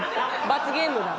罰ゲームだ。